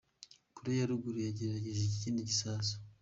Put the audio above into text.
Korea ya ruguru yagerageje ikindi gisasu.